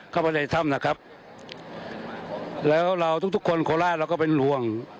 เข้าไปในถ้ำนะครับแล้วเราทุกทุกคนโคราชเราก็เป็นห่วง